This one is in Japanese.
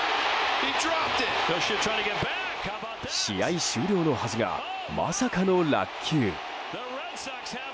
試合終了のはずがまさかの落球。